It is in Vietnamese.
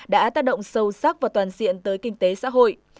đã tác động sâu sắc và toàn diện tới kinh tế xã hội